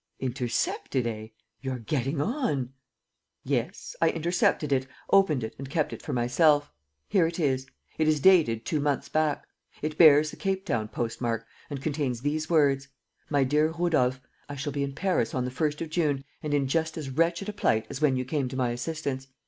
..." "Intercepted, eh? You're getting on!" "Yes, I intercepted it, opened it and kept it for myself. Here it is. It is dated two months back. It bears the Capetown postmark and contains these words: 'My dear Rudolf, I shall be in Paris on the 1st of June and in just as wretched a plight as when you came to my assistance.